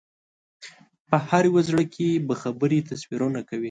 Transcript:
په هر یو زړه کې به خبرې تصویرونه کوي